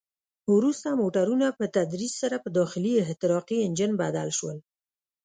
وروسته موټرونه په تدریج سره په داخلي احتراقي انجن بدل شول.